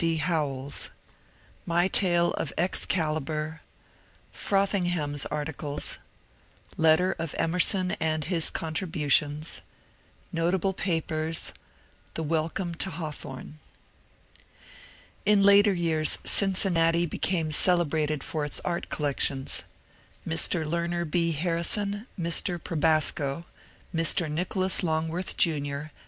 D. Howells ~ My tale of Excalibor — Frothingham's articles — Letter of Emerson and his contribu tions — Notable papers — The welcome to Hawthorne. In later years Cincinnati became celebrated for its art collec tions. Mr. Learner B. Harrison, Mr. Probasco, Mr. Nicholas Longworth Jr.